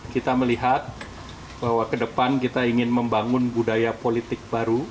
kita melihat bahwa ke depan kita ingin membangun budaya politik baru